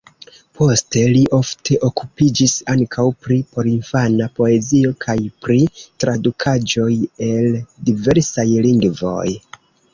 Poste li ofte okupiĝis ankaŭ pri porinfana poezio kaj pri tradukaĵoj el diversaj lingvoj.